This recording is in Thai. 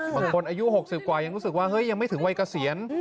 บางคนอายุ๖๐กว่ายังรู้สึกว่าเฮ้ยยังไม่ถึงวัยเกษียณ